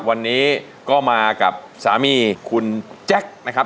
วันนี้ก็มากับสามีคุณแจ็คนะครับ